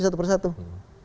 jangan sampai satu persatu